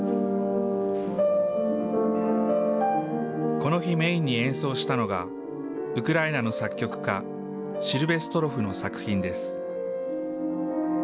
この日、メインに演奏したのがウクライナの作曲家、シルヴェストロフの作品です。